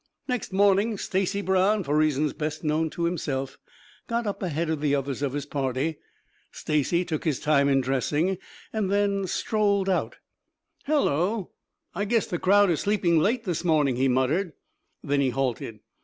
Next morning, Stacy Brown, for reasons best known to himself, got up ahead of the others of his party. Stacy took his time in dressing, then strolled out. "Hullo, I guess the crowd is sleeping late this morning," he muttered. Then he halted.